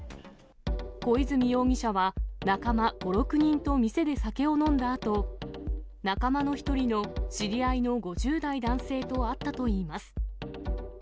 小泉容疑者は、仲間５、６人と店で酒を飲んだあと、仲間の１人の知り合いの５０代男性とあったといいます。